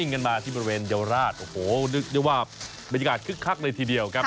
เราไปมันที่บริเวณเยาวราชโอ้โหนึกนึกว่าบริษิกาด้วยทีเดียวครับ